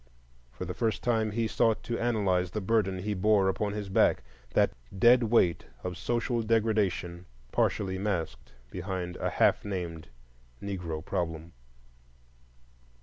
For the first time he sought to analyze the burden he bore upon his back, that dead weight of social degradation partially masked behind a half named Negro problem.